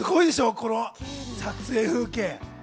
この撮影風景。